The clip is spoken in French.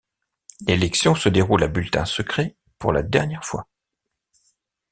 L'élection se déroule à bulletin secret, pour la dernière fois.